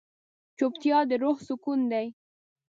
چوپتیا، د روح سکون دی.